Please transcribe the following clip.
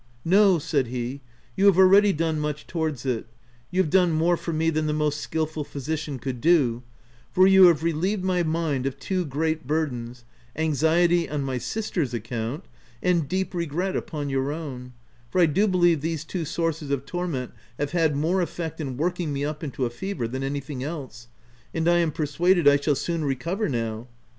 "No," said he; "you have already done much towards it ; you have dorte more for me than the most skilful physician could do ; for you have relieved my mind of two great burdens — anxiety on my sister's account^ and deep re gret upon your own, for I do believe these two sources of torment have had more effect in working me up into a fever, than anything else ; and I am persuaded I shall soon recover now.